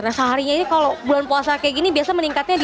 nah seharinya ini kalau bulan puasa kayak gini biasa meningkatnya